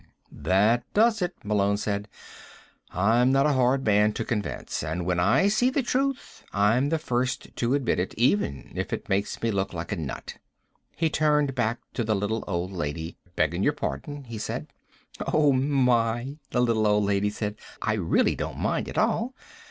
"That does it," Malone said. "I'm not a hard man to convince. And when I see the truth, I'm the first one to admit it, even if it makes me look like a nut." He turned back to the little old lady. "Begging your pardon," he said. "Oh, my," the little old lady said. "I really don't mind at all.